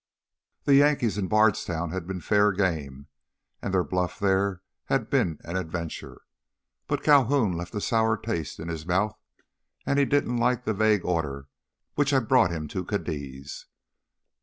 The Yankees in Bardstown had been fair game, and their bluff there had been an adventure. But Calhoun left a sour taste in his mouth, and he didn't like the vague order which had brought him to Cadiz.